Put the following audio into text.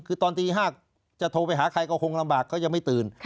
คือตอนตี๕จะโทรไปหาใครก็คงลำบากเขายังไม่ตื่น